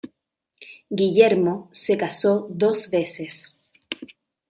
Guillermo se casó dos veces.